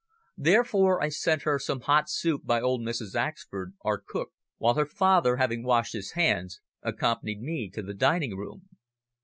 Therefore I sent her some hot soup by old Mrs. Axford, our cook, while her father, having washed his hands, accompanied me to the diningroom.